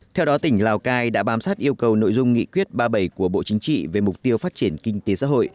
theo đó tỉnh lào cai đã bám sát yêu cầu nội dung nghị quyết ba mươi bảy của bộ chính trị về mục tiêu phát triển kinh tế xã hội